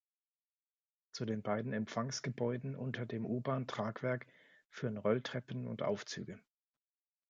Zu den beiden Empfangsgebäuden unter dem U-Bahn-Tragwerk führen Rolltreppen und Aufzüge.